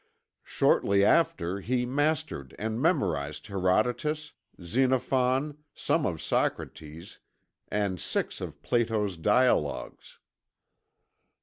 Shortly after he mastered and memorized Herodotus, Xenophon, some of Socrates, and six of Plato's "Dialogues."